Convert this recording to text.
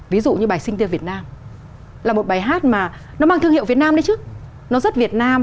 ví dụ như bài sinh tiêu việt nam là một bài hát mà nó mang thương hiệu việt nam đấy chứ nó rất việt nam